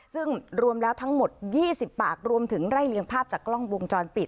ซึ่งรวมแล้วทั้งหมด๒๐ปากรวมถึงไล่เลี้ยภาพจากกล้องวงจรปิด